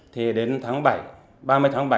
thì đến tháng bảy ba mươi tháng bảy